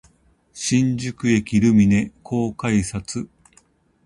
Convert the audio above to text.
新宿駅ルミネ口改札